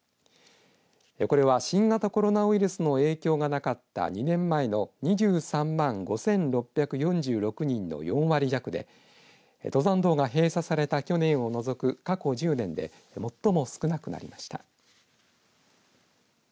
これは新型コロナウイルスの影響がなかった２年前の２３万５６４６人の４割弱で登山道が閉鎖された去年を除く過去１０年で最も少なくなりました。